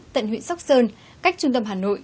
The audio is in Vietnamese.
tận huyện sóc sơn cách trung tâm hà nội